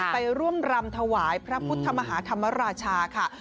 ไปร่วมรำถวายพระพุทธมหาธรรมราชาค่ะ